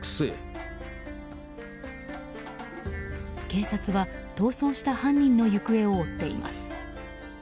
警察は逃走した犯人の行方を追っています。